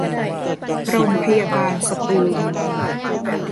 โรงพยาบาลสตูล